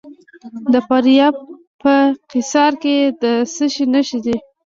د فاریاب په قیصار کې د څه شي نښې دي؟